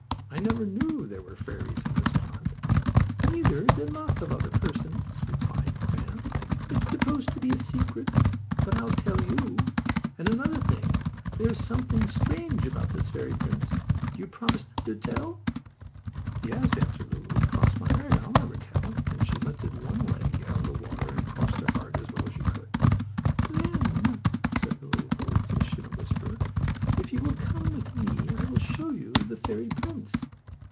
I never knew there were fairies in this pond!" "Neither did lots of other persons," replied Fan. "It's supposed to be a secret, but I'll tell you. And, another thing. There is something strange about this fairy prince. Do you promise never to tell?" "Yes," answered Lulu. "Cross my heart I'll never tell," and she lifted one leg out of the water and crossed her heart as well as she could. "Then," said the gold fish in a whisper, "If you will come with me I will show you the fairy prince.